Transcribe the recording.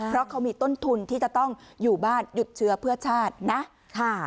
เพราะเขามีต้นทุนที่จะต้องอยู่บ้านหยุดเชื้อเพื่อชาตินะ